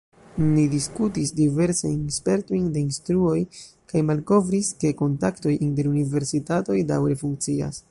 Ni diskutis diversajn spertojn de instruistoj, kaj malkovris, ke kontaktoj inter universitatoj daŭre funkcias.